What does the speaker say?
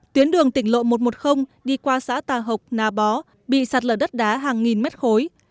tuyến đường tỉnh lộ một trăm một mươi đi qua xã tà hộc nà bó bị sạt lở đất đá hàng nghìn mét khối